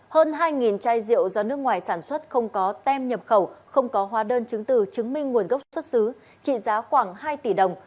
hơn hai chai rượu do nước ngoài sản xuất không có tem nhập khẩu không có hóa đơn chứng từ chứng minh nguồn gốc xuất xứ trị giá khoảng hai tỷ đồng